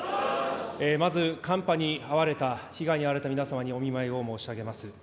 まず、寒波に遭われた、被害に遭われた皆様にお見舞いを申し上げます。